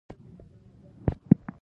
پالک ډیره اوسپنه لري